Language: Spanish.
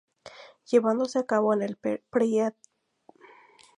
Llevándose a cabo en el Predio del polideportivo.